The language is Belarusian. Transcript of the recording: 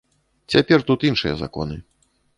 Цяпер тут іншыя законы.